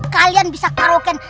kalian bisa karoken